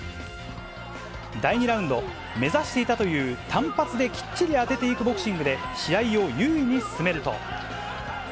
第２ラウンド、目指していたという単発できっちり当てていくボクシングで試合を優位に進めると。